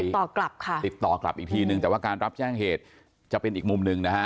ติดต่อกลับค่ะติดต่อกลับอีกทีนึงแต่ว่าการรับแจ้งเหตุจะเป็นอีกมุมหนึ่งนะฮะ